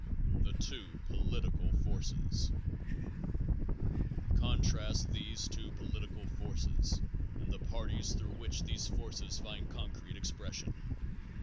The Two Political Forces. Contrast these two political forces and the parties through which these forces find concrete expression!